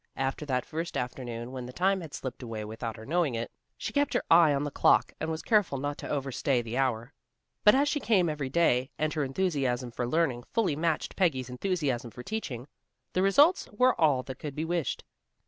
After that first afternoon when the time had slipped away without her knowing it, she kept her eye on the clock and was careful not to over stay the hour. But as she came every day, and her enthusiasm for learning fully matched Peggy's enthusiasm for teaching, the results were all that could be wished.